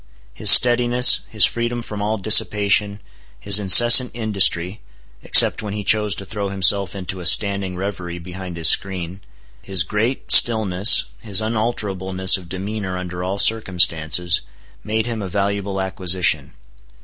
His steadiness, his freedom from all dissipation, his incessant industry (except when he chose to throw himself into a standing revery behind his screen), his great stillness, his unalterableness of demeanor under all circumstances, made him a valuable acquisition.